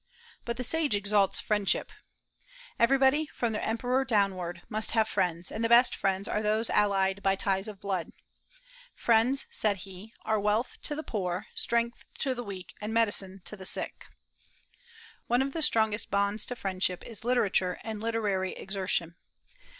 But the sage exalts friendship. Everybody, from the Emperor downward, must have friends; and the best friends are those allied by ties of blood. "Friends," said he, "are wealth to the poor, strength to the weak, and medicine to the sick." One of the strongest bonds to friendship is literature and literary exertion.